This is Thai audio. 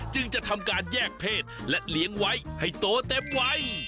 จึงจะทำการแยกเพศและเลี้ยงไว้ให้โตเต็มวัย